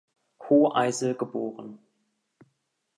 Hoheisel geboren.